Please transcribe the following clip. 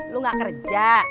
lo gak kerja